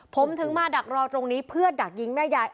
ผมถึงมาดักรอตรงนี้เพื่อดักยิงแม่ยาย